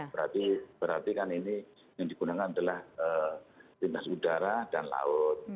berarti kan ini yang digunakan adalah lintas udara dan laut